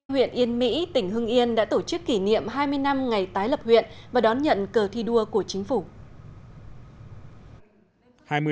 huyện yên mỹ tỉnh hưng yên đã tổ chức kỷ niệm hai mươi năm ngày tái lập huyện và đón nhận cờ thi đua của chính phủ